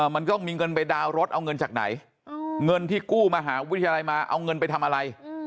มันต้องมีเงินไปดาวน์รถเอาเงินจากไหนเงินที่กู้มหาวิทยาลัยมาเอาเงินไปทำอะไร